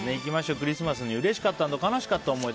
クリスマスのうれしかった＆悲しかった思い出。